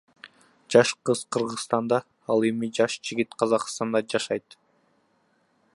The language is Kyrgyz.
Жаш кыз Кыргызстанда ал эми жаш жигит Казакстанда жашайт.